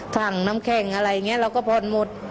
ถังน้ำแข็งอะไรอย่างนี้เราก็ผ่อนหมด